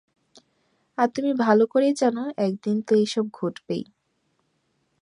আর তুমি ভালো করেই জানো, একদিন তো এসব ঘটবেই।